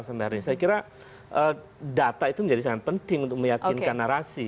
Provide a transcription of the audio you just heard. saya kira data itu menjadi sangat penting untuk meyakinkan narasi